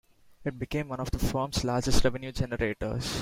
It became one of the firm's largest revenue generators.